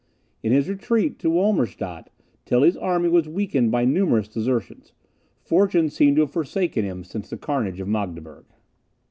In his retreat to Wolmerstadt, Tilly's army was weakened by numerous desertions. Fortune seemed to have forsaken him since the carnage of Magdeburg.